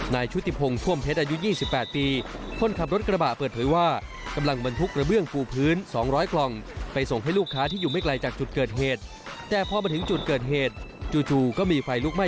นายชุติพงศ์ท่วมเพชรอายุ๒๘ปี